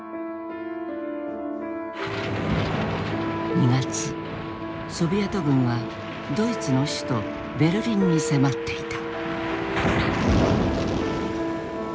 ２月ソビエト軍はドイツの首都ベルリンに迫っていた。